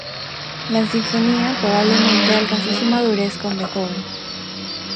La sinfonía probablemente alcanzó su madurez con Beethoven.